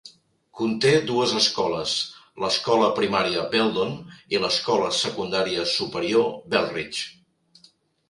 Conté dues escoles: l'escola primària Beldon i l'escola secundària superior Belridge.